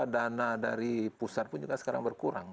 dana dari pusat pun juga sekarang berkurang